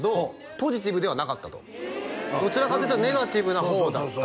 「ポジティブではなかった」と「どちらかといったらネガティブな方だった」